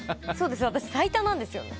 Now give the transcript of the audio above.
私、最多なんですよね。